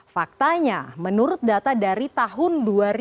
faktanya menurut data dari tahun dua ribu dua puluh